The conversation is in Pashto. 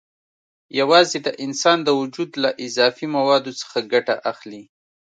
یوازې د انسان د وجود له اضافي موادو څخه ګټه اخلي.